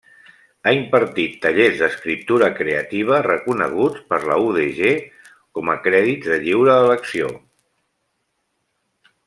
Ha impartit tallers d'escriptura creativa reconeguts per la UdG com a crèdits de lliure elecció.